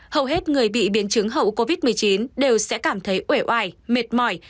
hầu hết người bị biến chứng hậu covid một mươi chín đều sẽ cảm thấy ủe oài mệt mỏi